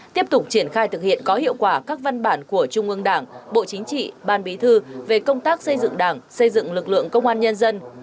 tiếp tục triển khai thực hiện có hiệu quả các văn bản của trung ương đảng bộ chính trị ban bí thư về công tác xây dựng đảng xây dựng lực lượng công an nhân dân